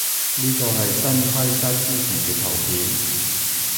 呢個係新規則之前嘅圖片